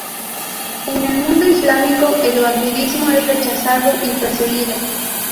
En el mundo islámico el vampirismo es rechazado y perseguido.